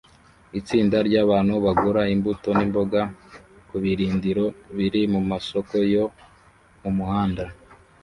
Itsinda ryabantu bagura imbuto nimboga kubirindiro biri mumasoko yo mumuhanda